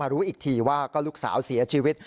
รู้อีกทีว่าก็ลูกสาวเสียชีวิต